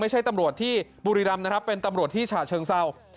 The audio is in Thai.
ไม่ใช่ตำรวจที่บุรีรำเป็นตำรวจที่ฉะเชิงเศร้า